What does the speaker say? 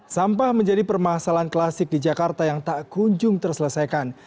sampah menjadi permasalahan klasik di jakarta yang tak kunjung terselesaikan